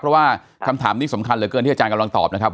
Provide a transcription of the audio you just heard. เพราะว่าคำถามนี้สำคัญเหลือเกินที่อาจารย์กำลังตอบนะครับ